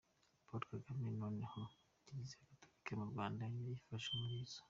Paul Kagame noneho Kiliziya Gatulika mu Rwanda ayifashe umurizo